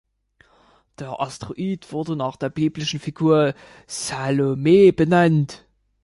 Der Asteroid wurde nach der biblischen Figur Salome benannt.